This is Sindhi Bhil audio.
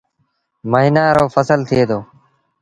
ميݩهآن رو ڦسل ٿئي دو۔